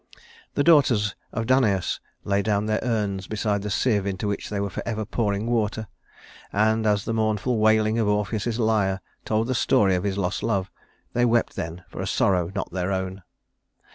The daughters of Danaüs laid down their urns beside the sieve into which they were forever pouring water, and as the mournful wailing of Orpheus's lyre told the story of his lost love, they wept then for a sorrow not their own.